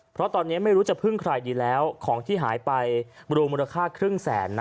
เพราะตอนนี้ไม่รู้จะพึ่งใครดีแล้วของที่หายไปรวมมูลค่าครึ่งแสน